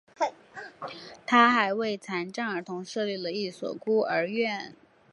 他还为残障儿童设立了一所孤儿院。